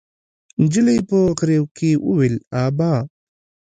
نجلۍ په غريو کې وويل: ابا!